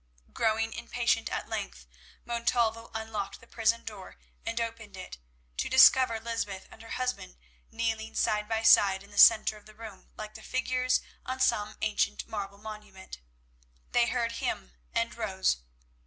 Growing impatient at length, Montalvo unlocked the prison door and opened it, to discover Lysbeth and her husband kneeling side by side in the centre of the room like the figures on some ancient marble monument. They heard him and rose.